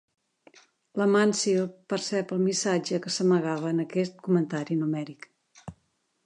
L'Amáncio percep el missatge que s'amagava en aquest comentari numèric.